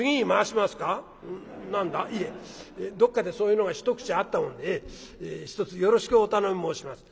どっかでそういうのが一口あったもんでひとつよろしくお頼み申します」。